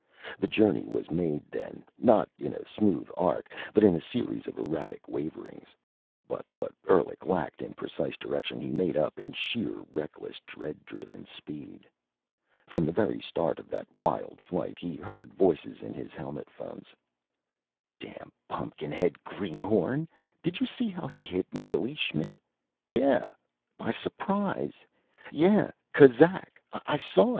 The journey was made, then, not in a smooth arc, but in a series of erratic waverings. But what Endlich lacked in precise direction, he made up in sheer reckless, dread driven speed. From the very start of that wild flight, he heard voices in his helmet phones: "Damn pun'kin head greenhorn! Did you see how he hit Neely, Schmidt? Yeah by surprise.... Yeah Kuzak. I saw.